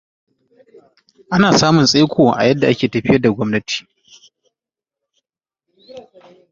Bashi da kirkin da za a iya mu'amala da shi to kowane fanni.